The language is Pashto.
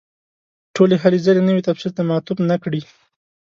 ټولې هلې ځلې نوي تفسیر ته معطوف نه کړي.